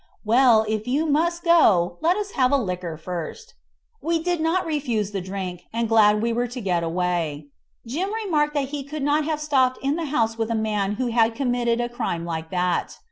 "Well, if you must go, let us have a liquor first." We did not refuse the drink, and glad we were to get away. Jim remarked that he could not have stopped in the house with a man who had committed a crime like that.